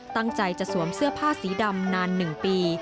ตั้งใจจะสวมเสื้อผ้าสีดำนาน๑ปี